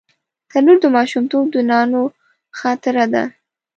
تنور د ماشومتوب د نانو خاطره ده